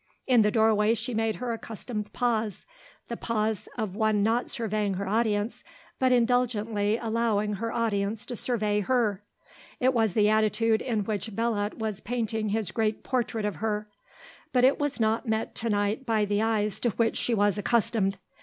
In the doorway she made her accustomed pause, the pause of one not surveying her audience but indulgently allowing her audience to survey her. It was the attitude in which Belot was painting his great portrait of her. But it was not met to night by the eyes to which she was accustomed.